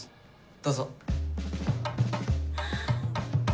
どうぞ。